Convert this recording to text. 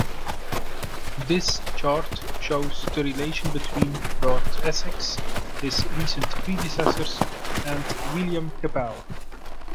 This chart shows the relation between Lord Essex, his recent predecessors, and William Capell.